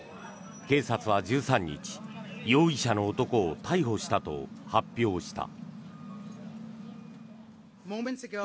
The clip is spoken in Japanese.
警察は１３日容疑者の男を逮捕したと発表した。